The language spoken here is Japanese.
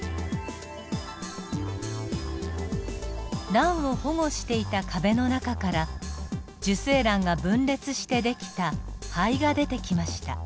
卵を保護していた壁の中から受精卵が分裂してできた胚が出てきました。